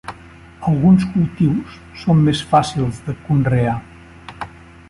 Alguns cultius són més fàcils de conrear.